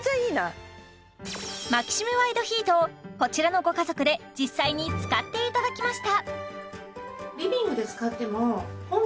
マキシムワイドヒートをこちらのご家族で実際に使っていただきました